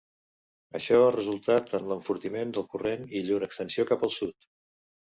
Això ha resultat en l'enfortiment del corrent i llur extensió cap al sud.